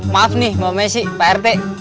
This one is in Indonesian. maaf nih mbak messi pak rt